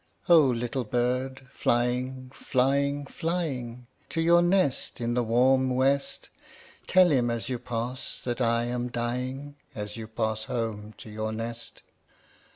O little bird, flying, flying, flying To your nest in the warm west, Tell him as you pass that I am dying, As you pass home to your nest.